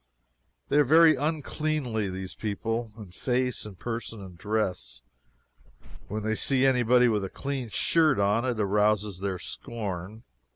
They are very uncleanly these people in face, in person and dress. When they see any body with a clean shirt on, it arouses their scorn.